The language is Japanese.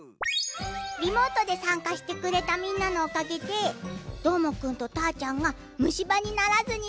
リモートでさんかしてくれたみんなのおかげでどーもくんとたーちゃんがむしばにならずにすんだよ。